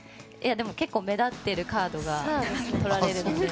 結構、目立っているカードが取られるので。